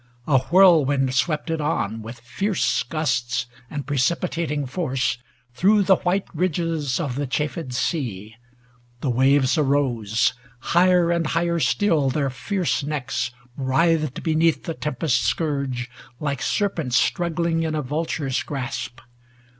A whirlwind swept it on, 32a With fierce gusts and precipitating force, Through the white ridges of the chafed sea. The waves arose. Higher and higher still Their fierce necks writhed beneath the tempest's scourge Like serpents struggling in a vulture's grasp.